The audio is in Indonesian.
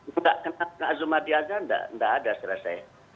tidak ada azumati andra tidak ada secara saya